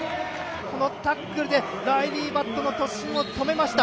このタックルでライリー・バットの突進を止めました。